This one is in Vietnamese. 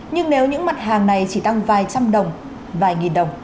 nhưng nếu những mặt hàng này chỉ tăng vài trăm đồng vài nghìn đồng